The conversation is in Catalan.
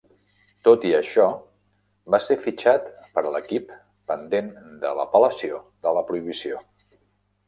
Tot i això, va ser fitxat per a l'equip pendent de l'apel·lació de la prohibició.